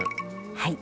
はい。